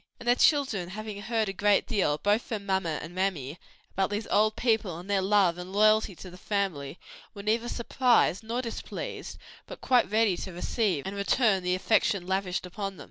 And the children, having heard a great deal, from both mamma and mammy, about these old people and their love and loyalty to the family, were neither surprised, nor displeased, but quite ready to receive and return the affection lavished upon them.